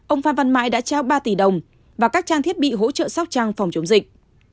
ông phan văn mãi đã trao ba tỷ đồng và các trang thiết bị hỗ trợ sóc trăng phòng chống dịch